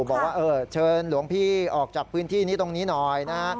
บอกว่าเชิญหลวงพี่ออกจากพื้นที่นี้ตรงนี้หน่อยนะฮะ